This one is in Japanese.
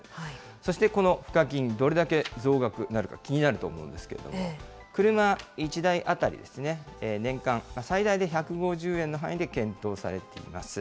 そしてこの賦課金、どれだけ増額なるか、気になると思うんですけれども、車１台当たり、年間最大で１５０円の範囲で検討されています。